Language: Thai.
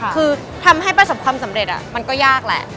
คือทำให้ประสบความสำเร็จมันก็ยากแหละ